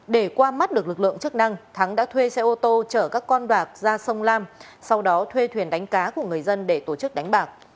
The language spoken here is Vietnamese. để qua mắt được lực lượng chức năng thắng đã thuê xe ô tô chở các con bạc ra sông lam sau đó thuê thuyền đánh cá của người dân để tổ chức đánh bạc